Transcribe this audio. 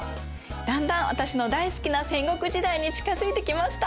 だんだん私の大好きな戦国時代に近づいてきました！